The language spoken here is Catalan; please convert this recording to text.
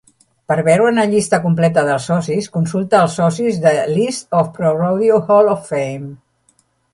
Per veure una llista completa dels socis, consulta els socis de List of ProRodeo Hall of Fame.